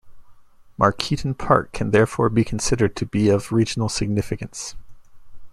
Markeaton Park can therefore be considered to be of regional significance.